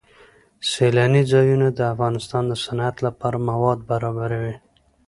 سیلانی ځایونه د افغانستان د صنعت لپاره مواد برابروي.